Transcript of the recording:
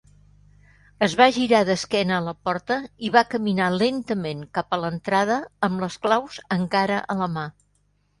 Es va girar d'esquena a la porta i va caminar lentament cap a l'entrada amb les claus encara a la mà.